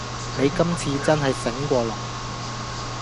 你今次真係醒過龍